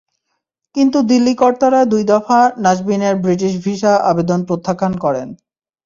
কিন্তু দিল্লি কর্তারা দুই দফা নাজবিনের ব্রিটিশ ভিসা আবেদন প্রত্যাখ্যান করেন।